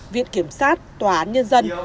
viện kiểm sát tòa án nhân dân